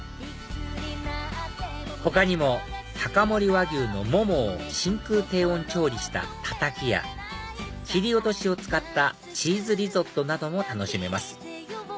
他にも高森和牛のももを真空低温調理したタタキや切り落としを使ったチーズリゾットなども楽しめます